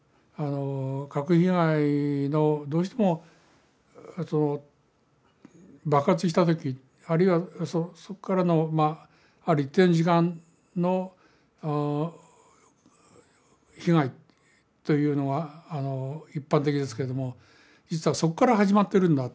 核被害のどうしても爆発した時あるいはそこからのある一定の時間の被害というのは一般的ですけども実はそこから始まってるんだ。